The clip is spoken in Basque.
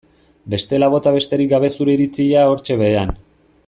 Bestela bota besterik gabe zure iritzia hortxe behean.